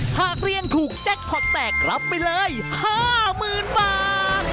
หากเรียนถูกแจ็คพอร์ตแตกรับไปเลย๕๐๐๐๐บาท